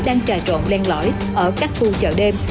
đang trà trộn len lõi ở các khu chợ đêm